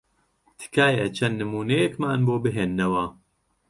تکایە چەند نموونەیەکمان بۆ بهێننەوە.